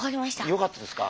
よかったですか？